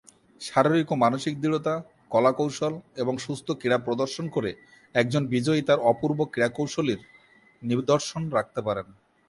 শারীরিক ও মানসিক দৃঢ়তা, কলা-কৌশল এবং সুস্থ ক্রীড়া প্রদর্শন করে একজন বিজয়ী তার অপূর্ব ক্রীড়াশৈলীর নিদর্শন রাখতে পারেন।